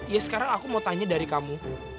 ya sekarang aku mau tanya dari kamu